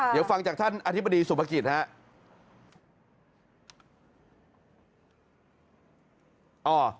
เดี๋ยวฟังจากท่านอธิบดีสุภกิจครับ